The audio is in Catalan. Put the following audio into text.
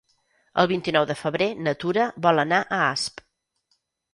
El vint-i-nou de febrer na Tura vol anar a Asp.